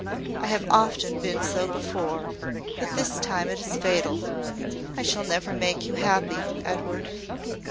I have often been so before, but this time it is fatal. I shall never make you happy, Edward."